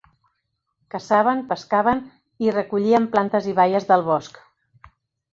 Caçaven, pescaven i recollien plantes i baies del bosc.